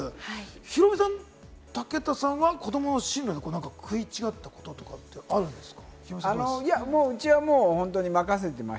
ヒロミさん、武田さんは子どもの進路で食い違ったこととかはあるんですか？